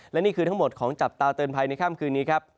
และนี่คือทั้งหมดของจับตาเตือนภัยในค่ำคืนนี้ครับ